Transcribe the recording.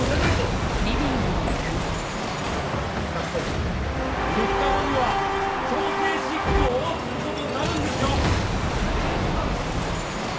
そんな事言ったって３日後には強制執行をする事になるんですよ！出ていきません！